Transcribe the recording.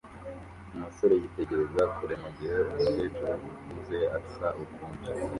Umusore yitegereza kure mugihe umukecuru ukuze asa ukundi